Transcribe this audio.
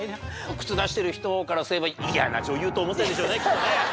靴出してる人からすれば。と思ったでしょうねきっとね。